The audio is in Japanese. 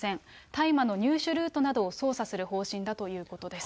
大麻の入手ルートなどを捜査する方針だということです。